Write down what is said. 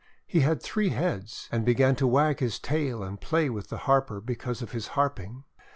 He had three heads, and began to wag his tail and play with the Harper because of his harping.